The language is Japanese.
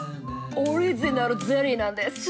オリジナルゼリーなんです。